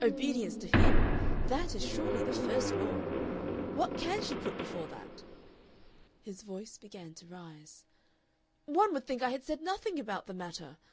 Obedience to him, that is surely the first law. What CAN she put before that?" His voice began to rise. "One would think I had said nothing about the matter.